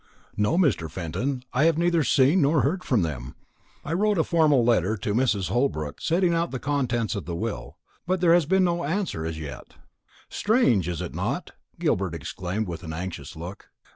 "No, Mr. Fenton, I have neither seen nor heard of them. I wrote a formal letter to Mrs. Holbrook, setting out the contents of the will; but there has been no answer as yet." "Strange, is it not?" Gilbert exclaimed, with an anxious look.